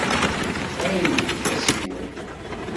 Ɛiwdet asiwel.